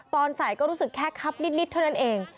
ตอนใส่ก็รู้สึกแค่คับนิดเท่านั้นเอง